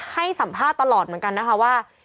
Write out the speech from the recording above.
ให้สัมภาษณ์ตลอดเหมือนกันนะคะว่า